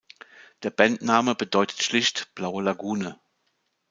Der Bandname bedeutet schlicht „Blaue Lagune“.